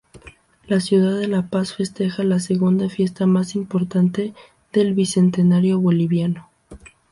La ciudad de La Paz festeja la segunda fiesta más importante del bicentenario boliviano.